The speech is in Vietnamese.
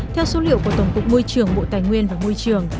theo số liệu của tổng cục môi trường bộ tài nguyên và môi trường